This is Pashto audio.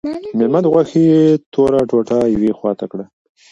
مېلمه د غوښې توره ټوټه یوې خواته کړه.